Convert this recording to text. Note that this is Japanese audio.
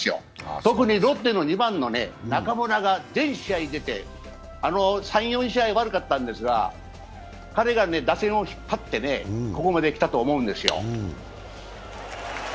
特にロッテの２番の中村が全試合出て、３４試合、悪かったんですが彼が打線を引っ張ってここまで来たと思うんですよ。